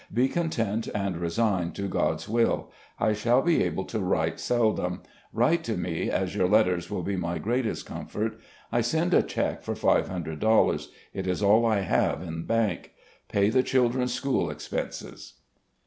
... Be content and resigned to God's will. I shall be able to write seldom. Write to me, as your letters will be my greatest comfort, I send a check for $500 ; it is all I have in bank. Pay the children's school expenses.